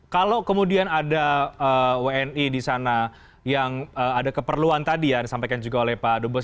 kalau kemudian ada wni di sana yang ada keperluan tadi yang disampaikan juga oleh pak dubes